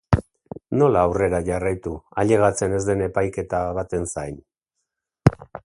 Nola aurrera jarraitu ailegatzen ez den epaiketa baten zain?